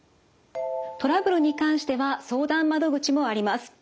トラブルに関しては相談窓口もあります。